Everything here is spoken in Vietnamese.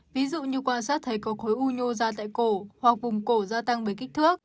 ví dụ như quan sát thấy có khối u ra tại cổ hoặc vùng cổ gia tăng bởi kích thước